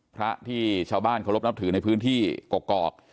พระที่ชาวบ้านเคารพนับถือในพื้นที่กกอก